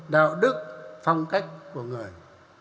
đạo đức phong cách của người